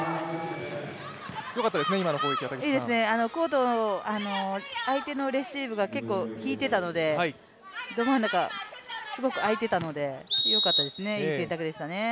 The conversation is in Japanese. いいですね、コート、相手のレシーブが結構引いてたのでど真ん中、すごく空いていたので、よかったですね、いい選択でしたね。